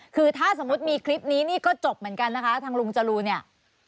คือถ้าสมมุติมีคลิปนี้นี่ก็จบเหมือนกันนะคะทางลุงจรูนเนี่ย